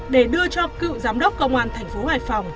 để đưa cho cựu giám đốc công an tp hcm